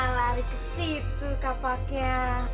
lari ke situ kapaknya